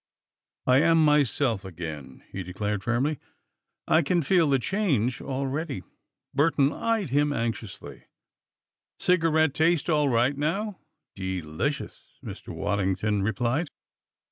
"I am myself again," he declared firmly. "I can feel the change already." Burton eyed him anxiously. "Cigarette taste all right now?" "Delicious!" Mr. Waddington replied.